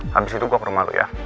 habis itu gue ke rumah lo ya